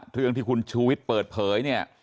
ทุกอย่างที่คุณชูวิตเปิดเผยเนี่ย